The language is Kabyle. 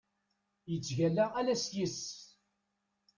Yettgalla ala s yis-s.